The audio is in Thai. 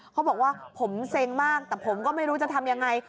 เขาบอกว่าผมเซ็งมากแต่ผมก็ไม่รู้จะทำยังไง